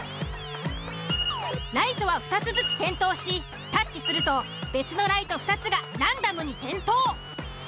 ライトは２つずつ点灯しタッチすると別のライト２つがランダムに点灯。